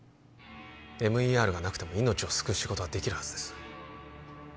ＭＥＲがなくても命を救う仕事はできるはずです